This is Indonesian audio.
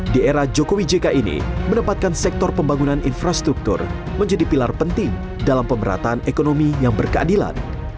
di era jokowi jk ini menempatkan sektor pembangunan infrastruktur menjadi pilar penting dalam pemerataan ekonomi yang berkeadilan